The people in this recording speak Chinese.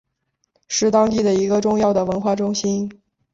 是当地的一个重要的文化中心。